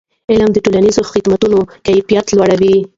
علم د ټولنیزو خدمتونو کیفیت لوړوي.